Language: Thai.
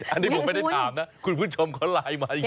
อันนี้ผมไม่ได้ถามนะคุณผู้ชมเขาไลน์มาจริง